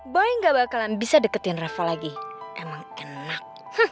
boy gak bakalan bisa deketin raffle lagi emang enak